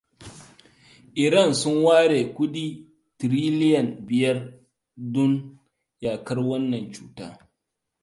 Iran sun ware kudi tiriliyan biyar don yakar wannan cuta.